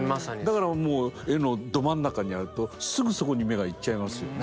だからもう絵のど真ん中にあるとすぐそこに目がいっちゃいますよね。